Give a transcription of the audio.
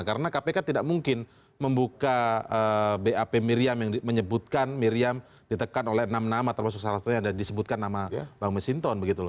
karena kpk tidak mungkin membuka bap miriam yang menyebutkan miriam ditekan oleh enam nama termasuk salah satunya dan disebutkan nama bang mengesinton begitu loh